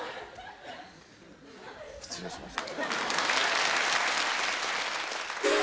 失礼しました。